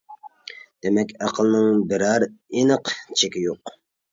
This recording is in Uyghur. دېمەك، ئەقىلنىڭ بىرەر ئېنىق چېكى يوق.